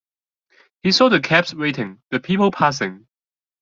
He saw the cabs waiting, the people passing.